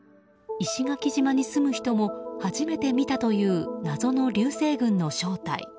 石垣島に住む人も初めて見たという謎の流星群の正体。